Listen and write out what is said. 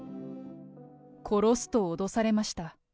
殺すと脅されました。